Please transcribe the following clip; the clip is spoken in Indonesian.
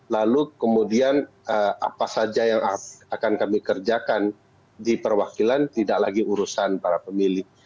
lalu kemudian apa saja yang akan kami kerjakan di perwakilan tidak lagi urusan para pemilih